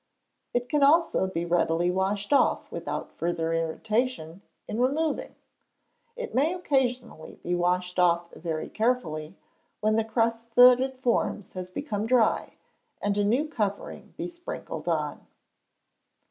It can also be readily washed off, without further irritation in removing. It may occasionally be washed off very carefully, when the crust that it forms has become dry, and a new covering be sprinkled on.